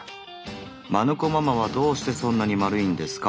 「マヌ子ママはどうしてそんなに丸いんですか？」。